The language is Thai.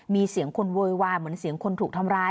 มีเสียงคนโวยวายเหมือนเสียงคนถูกทำร้าย